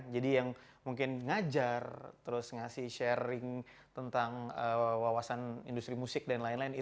jadi yang mungkin ngajar terus ngasih sharing tentang wawasan industri musik dan lain lain